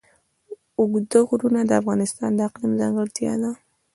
اوږده غرونه د افغانستان د اقلیم ځانګړتیا ده.